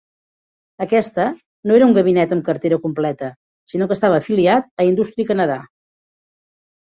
Aquesta no era un gabinet amb cartera completa, sinó que estava afiliat a Industry Canada.